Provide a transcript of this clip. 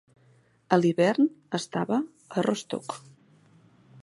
A l’hivern estava a Rostock.